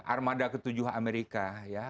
armada ketujuh amerika